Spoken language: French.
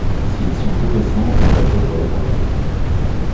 S'il sont plus récents, ils peuvent être réparés.